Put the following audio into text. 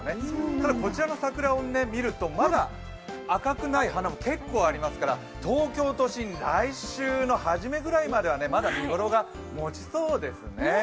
ただ、こちらの桜を見るとまだ赤くない花も結構ありますから東京都心、来週のはじめぐらいまでは、まだ見頃が持ちそうですね。